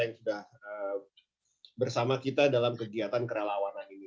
yang sudah bersama kita dalam kegiatan kerelawanan ini